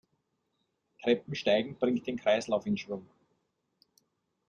Treppensteigen bringt den Kreislauf in Schwung.